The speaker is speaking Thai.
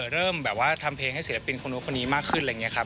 เริ่มแบบว่าทำเพลงให้ศิลปินคนนู้นคนนี้มากขึ้นอะไรอย่างนี้ครับ